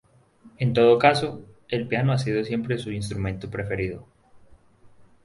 En todo caso, el piano ha sido siempre su instrumento preferido.